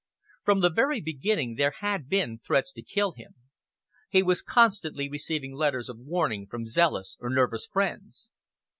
From the very beginning there had been threats to kill him. He was constantly receiving letters of warning from zealous or nervous friends.